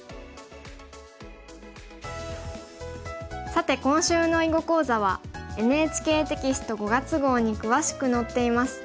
さて今週の囲碁講座はＮＨＫテキスト５月号に詳しく載っています。